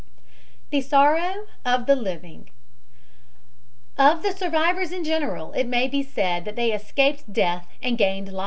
THE SORROW OF THE LIVING Of the survivors in general it may be said that they escaped death and they gained life.